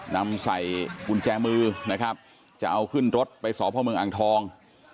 นำใส่กุญแจมือนะครับจะเอาขึ้นรถไปสพเมืองอ่างทอง